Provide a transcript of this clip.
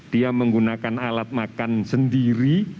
dia menggunakan alat makan sendiri